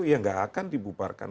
ya tidak akan dibubarkan